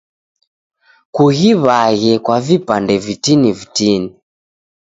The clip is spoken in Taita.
Kughiw'aghe kwa vipande vitini vitini.